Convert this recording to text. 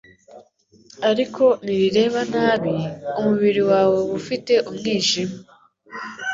ariko nirireba nabi, umubiri wawe uba ufite umwijima."